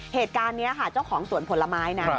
เหตุการณ์นี้ค่ะเจ้าของสวนผลไม้นะ